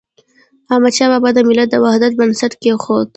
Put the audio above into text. احمدشاه بابا د ملت د وحدت بنسټ کيښود.